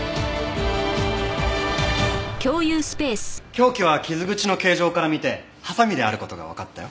凶器は傷口の形状から見てハサミである事がわかったよ。